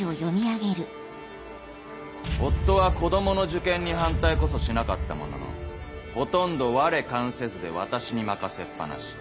「夫は子供の受験に反対こそしなかったもののほとんどわれ関せずで私に任せっ放し。